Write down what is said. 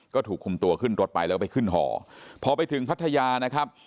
ก็ถูกคุมตัวขึ้นรถไปแล้วก็ไปขึ้นห่อพอไปถึงพัทยานะครับ